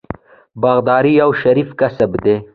باغداري یو شریف کسب دی.